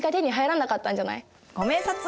ご明察！